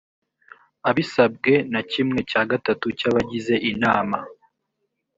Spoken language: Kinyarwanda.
abisabwe na kimwe cya gatatu cy abagize inama